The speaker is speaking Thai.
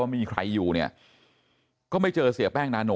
และก็คือว่าถึงแม้วันนี้จะพบรอยเท้าเสียแป้งจริงไหม